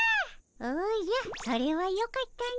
おじゃそれはよかったの。